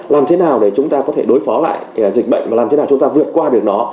làm thế nào để chúng ta có thể đối phó lại dịch bệnh và làm thế nào chúng ta vượt qua được nó